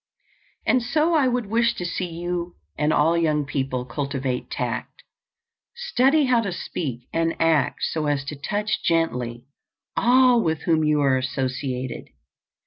And so I would wish to see you and all young people cultivate tact; study how to speak and act so as to touch gently all with whom you are associated.